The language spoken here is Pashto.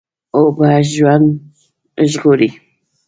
اوبه ژوند ژغوري.